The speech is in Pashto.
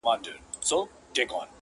په هوا کي ماڼۍ نه جوړېږي -